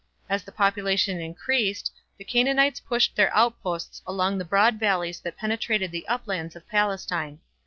As the population increased, the Canaanites pushed their outposts along the broad valleys that penetrated the uplands of Palestine.